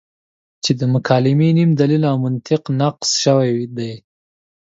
چې د مکالمې نیم دلیل او منطق نقص شوی دی.